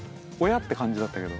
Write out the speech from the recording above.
って感じだったけど。